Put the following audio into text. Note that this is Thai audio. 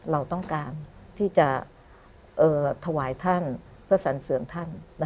เราต้องการที่จะถวายท่านเพื่อสรรเสริมท่าน